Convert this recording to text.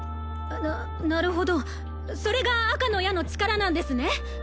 ななるほどそれが赤の矢の力なんですね